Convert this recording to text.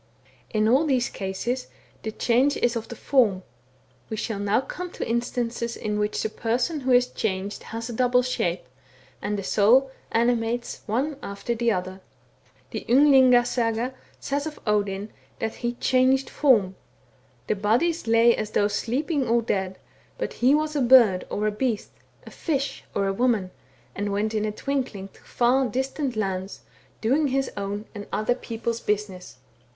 In all these cases the change is of the form : we shall now come to instances in which the person who is changed has a double shape, and the soul animates one after the other. The Ynglinga Saga (c. 7) says of Odin, that " he changed form ; the bodies lay as though sleeping or dead, but he was a bird or a beast, a fish, or a woman, and went in a twinkling to far distant lands, doing his THE WKRE WOLF IN THE NORTH. 29 own or other people's business."